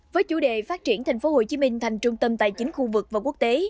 với chủ đề phát triển thành phố hồ chí minh thành trung tâm tài chính khu vực và quốc tế